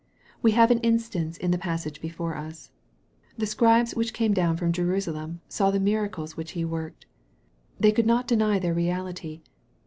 We have an instance in the passage before us. The " Scribes which came down from Jerusalem" saw the miracles which He worked. They could not deny their reality.